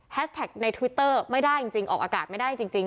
แฮสแท็กในทวิตเตอร์ไม่ได้จริงจริงออกอากาศไม่ได้จริงจริง